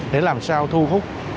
để làm sao thu hút